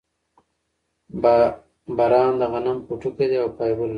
بران د غنم پوټکی دی او فایبر لري.